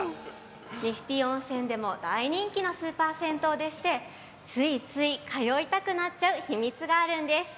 ◆ニフティ温泉でも大人気なスーパー銭湯でして、ついつい通いたくなっちゃう秘密があるんです。